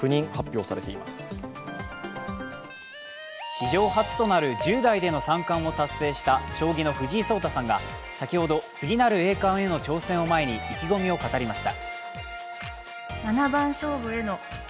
史上初となる１０代での三冠を達成した将棋の藤井聡太さんが、先ほど次なる栄冠への挑戦を前に意気込みを語りました。